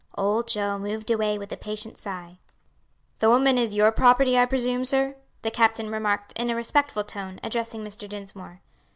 Old Joe moved away with a patient sigh. "The woman is your property, I presume, sir?" the captain remarked in a respectful tone, addressing Mr. Dinsmore.